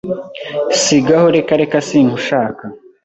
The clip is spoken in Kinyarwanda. Sigaho Reka reka sinkushaka